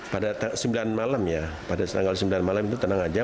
pada sembilan malam ya pada tanggal sembilan malam itu tenang aja